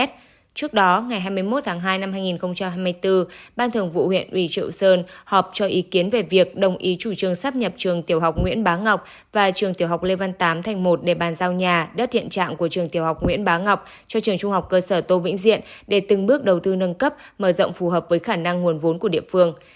trước đó ngày hai mươi một tháng hai năm hai nghìn hai mươi bốn ban thường vụ huyện ủy triệu sơn họp cho ý kiến về việc đồng ý chủ trương sắp nhập trường tiểu học nguyễn bá ngọc và trường tiểu học lê văn tám thành một để bàn giao nhà đất hiện trạng của trường tiểu học nguyễn bá ngọc cho trường trung học cơ sở tô vĩnh diện để từng bước đầu tư nâng cấp mở rộng phù hợp với khả năng nguồn vốn của địa phương